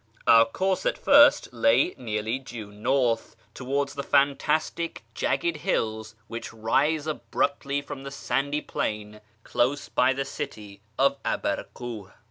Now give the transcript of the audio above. Our course at first lay nearly due north, towards the fantastic, jagged hills which rise abruptly from the sandy plain close by the city of Abarkiih.